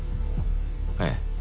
ええ。